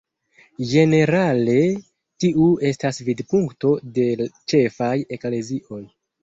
Ĝenerale tiu estas vidpunkto de ĉefaj eklezioj.